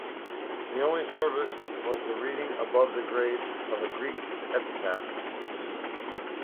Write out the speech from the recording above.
The only service was the reading above the grave of a Greek epitaph...